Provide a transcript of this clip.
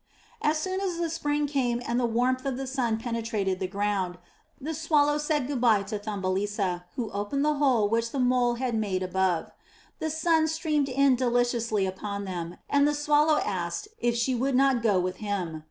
As soon as the spring came and the warmth of the sun penetrated the ground, the Swallow said good bye to Thumbelisa, who opened the hole which the Mole had made above. The sun streamed in deliciously upon them, and the Swallow asked if she would not go with him.